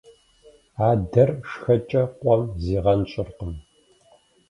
Адэр шхэкӀэ къуэм зигъэнщӀыркъым.